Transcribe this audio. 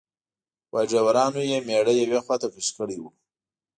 وایي ډریورانو یې میړه یوې خواته کش کړی و.